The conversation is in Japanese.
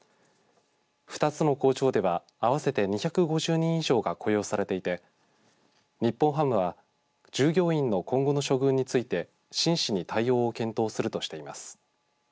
２つの工場では合わせて２５０人以上が雇用されていて日本ハムは従業員の今後の処遇について真摯に対応を検討するとしています。